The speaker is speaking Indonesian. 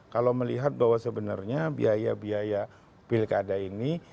kalau melihat bahwa sebenarnya biaya biaya pilkada ini